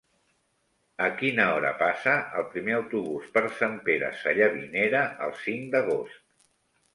A quina hora passa el primer autobús per Sant Pere Sallavinera el cinc d'agost?